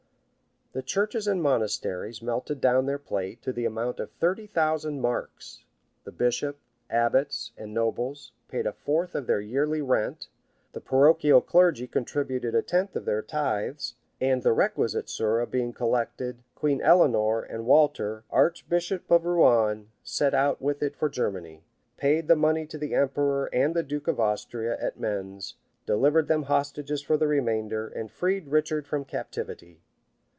The churches and monasteries melted down their plate, to the amount of thirty thousand marks; the bishop, abbots, and nobles, paid a fourth of their yearly rent; the parochial clergy contributed a tenth of their tithes; and the requisite sura being thus collected queen Eleanor, and Walter, archbishop of Rouen, set out with it for Germany; {1194.} paid the money to the emperor and the duke of Austria at Mentz; delivered them hostages for the remainder, and freed. Richard from captivity.